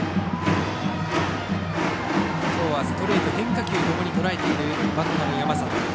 きょうはストレート変化球ともにとらえているバッターの山里。